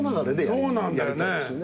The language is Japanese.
そうなんだよね。